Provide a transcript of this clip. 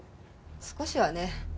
少しはね。